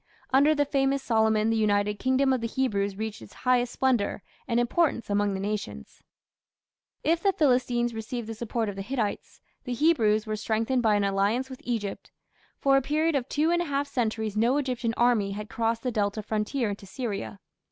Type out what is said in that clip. Under the famous Solomon the united kingdom of the Hebrews reached its highest splendour and importance among the nations. If the Philistines received the support of the Hittites, the Hebrews were strengthened by an alliance with Egypt. For a period of two and a half centuries no Egyptian army had crossed the Delta frontier into Syria.